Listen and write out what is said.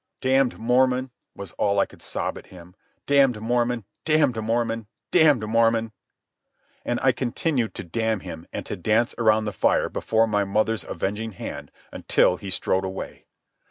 "Damned Mormon!" was all I could sob at him. "Damned Mormon! Damned Mormon! Damned Mormon!" And I continued to damn him and to dance around the fire before my mother's avenging hand, until he strode away.